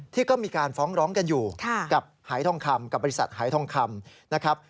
ที่ก็มีการฟ้องร้องกันอยู่กับหายทองคำกับบริษัทหายทองคำนะครับ